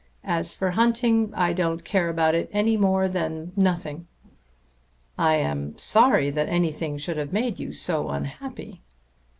As for hunting, I don't care about it any more than nothing." "I am sorry that anything should have made you so unhappy."